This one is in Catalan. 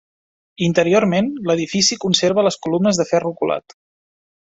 Interiorment l'edifici conserva les columnes de ferro colat.